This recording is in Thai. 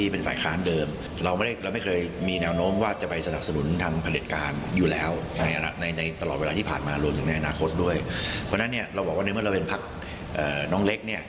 เพราะฉะนั้นเราบอกว่าในเมื่อเราเป็นพักน้องเล็ก